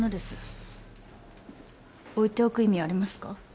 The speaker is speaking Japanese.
置いておく意味ありますか？